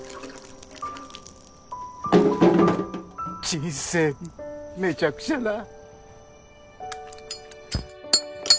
人生めちゃくちゃだ